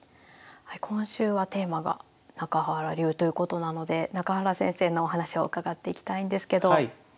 今週はテーマが中原流ということなので中原先生のお話を伺っていきたいんですけど